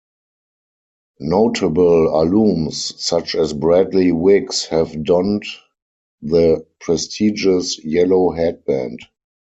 Notable alums such as Bradley Wiggs have donned the prestigious 'Yellow Headband'.